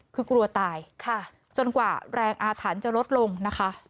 คือกลัวตายจนกว่าแรงอาถรรพ์จะลดลงนะคะ